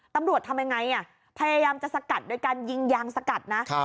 ตำรวจทำยังไงพยายามจะสกัดโดยการยิงยางสกัดนะ